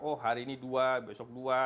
oh hari ini dua besok dua